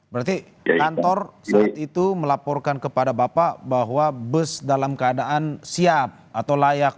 berarti kantor saat itu melaporkan kepada bapak bahwa bus dalam keadaan siap atau layak